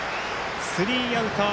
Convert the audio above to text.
スリーアウト。